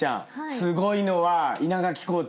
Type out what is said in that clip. すごいのは稲垣コーチ。